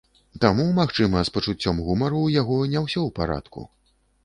Таму, магчыма, з пачуццём гумару ў яго не ўсё ў парадку.